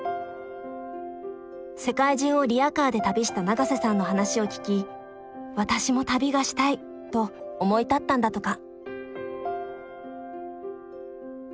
世界中をリヤカーで旅した永瀬さんの話を聞き「私も旅がしたい」と思い立ったんだとか。